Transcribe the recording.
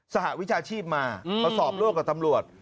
หวิชาชีพมามาสอบร่วมกับตำรวจ